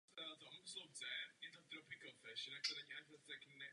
Po skončení aktivní kariéry působil jako rozhodčí a fotbalový funkcionář.